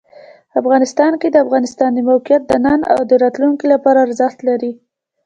افغانستان کې د افغانستان د موقعیت د نن او راتلونکي لپاره ارزښت لري.